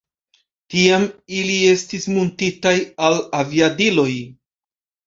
Tiam ili estis muntitaj al aviadiloj.